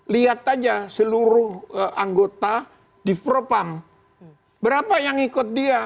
lihat saja seluruh anggota di propam berapa yang ikut dia